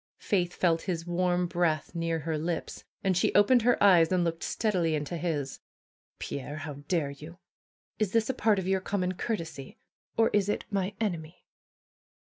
Faith felt his warm breath near her lips, and she opened her eyes and looked steadily into his. Pierre! How dare you! Is this a part of your common courtesy? Or is it my enemy?"